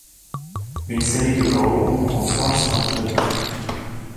Une série de cordons renforce un pneu.